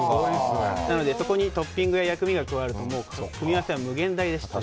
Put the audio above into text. なので、そこにトッピングや薬味が加わるともう組み合わせは無限大です。